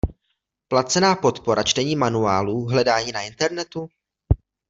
Placená podpora, čtení manuálů, hledání na Internetu?